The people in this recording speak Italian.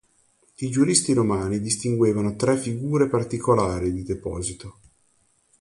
I giuristi romani distinguevano tre figure particolari di deposito.